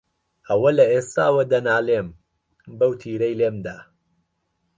ئەوە لە ئێستاوە دەنالێم، بەو تیرەی لێم دا